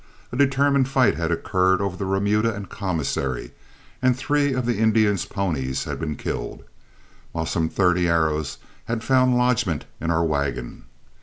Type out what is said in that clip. A determined fight had occurred over the remuda and commissary, and three of the Indians' ponies had been killed, while some thirty arrows had found lodgment in our wagon.